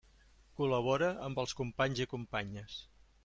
Col·labora amb els companys i companyes.